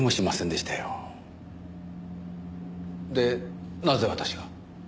でなぜ私が？